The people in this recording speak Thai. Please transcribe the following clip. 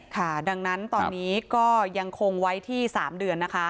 ค่ะดังนั้นตอนนี้ก็ยังคงไว้ที่๓เดือนนะคะ